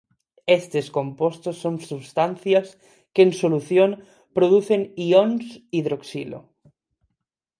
Estes compostos son substancias que en solución producen ións hidroxilo.